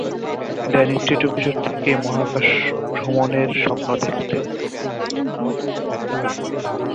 Danish Tito কৈশোর থেকেই মহাকাশ ভ্রমণের স্বপ্ন দেখতেন।